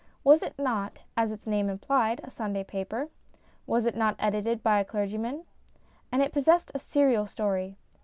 Was it not, as its name implied, a Sunday paper ? Was it not edited by a clergyman ? And it possessed a serial story.